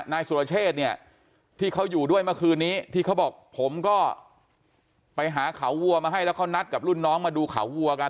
นายสุรเชษเนี่ยที่เขาอยู่ด้วยเมื่อคืนนี้ที่เขาบอกผมก็ไปหาเขาวัวมาให้แล้วเขานัดกับรุ่นน้องมาดูเขาวัวกัน